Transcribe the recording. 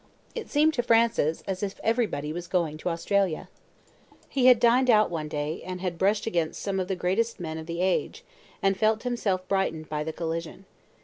It seemed to Francis as if everybody was going to Australia. He had dined out one day, and had brushed against some of the greatest men of the age, and felt himself brightened by the collision.